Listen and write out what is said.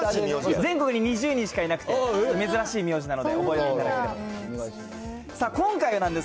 全国で２０人しかいなくて、珍しい名字なので、覚えられるかと思います。